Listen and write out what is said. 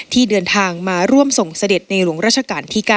ที่เดินทางมาร่วมส่งเสด็จในหลวงราชการที่๙